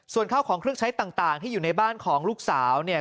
ส่วนข้าวของเครื่องใช้ต่างที่อยู่ในบ้านของลูกสาวเนี่ย